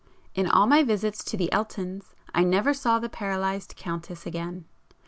In all my visits to the Eltons, I never saw the paralysed Countess again.